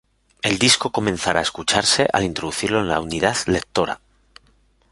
El disco comenzará a escucharse al introducirlo en la unidad lectora.